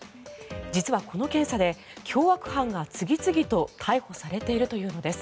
実はこの検査で凶悪犯が次々と逮捕されているというのです。